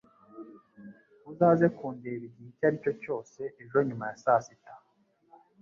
Uzaze kundeba igihe icyo ari cyo cyose ejo nyuma ya saa sita.